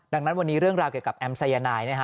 ดังนั้นวันนี้เรื่องราวเกี่ยวกับแอมสายนายนะฮะ